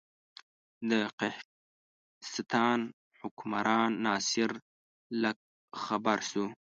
د قهستان حکمران ناصر لک خبر شو.